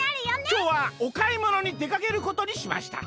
「きょうはおかいものにでかけることにしました。